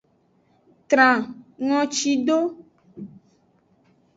Tran ngoci do.